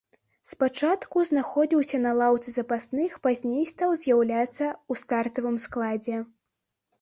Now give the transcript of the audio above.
Спачатку знаходзіўся на лаўцы запасных, пазней стаў з'яўляцца ў стартавым складзе.